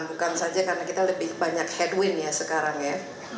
bukan saja karena kita lebih banyak headwind ya sekarang ya